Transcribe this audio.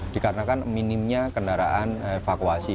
dikarenakan minimnya kendaraan evakuasi